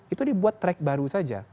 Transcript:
itu dibuat track baru saja